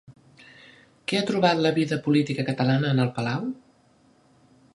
Què ha trobat la vida política catalana en el Palau?